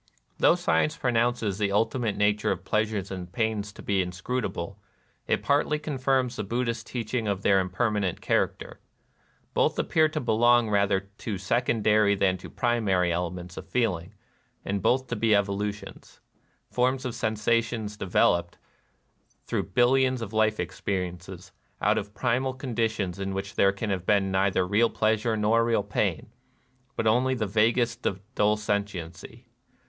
Though science pronounces the ultimate na ture of pleasures and pains to be inscrutable, it partly confirms the Buddhist teaching of their impermanent character. Both appear to belong rather to secondary than to primary elements of feeling, and both to be evolutions, — forms of sensation developed, through bil lions of life experiences, out of primal con ditions in which there can have been neither real pleasure nor real pain, but only the vaguest dull sentiency.